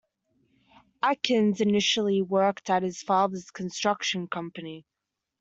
Atkins initially worked at his father's construction company.